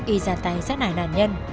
y ra tay sát nạn nạn nhân